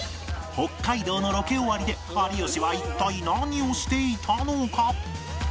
北海道のロケ終わりで有吉は一体何をしていたのか？